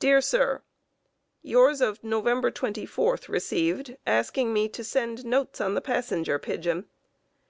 Dear Sir: Yours of November 24 received, asking me to send notes on the Passenger Pigeon.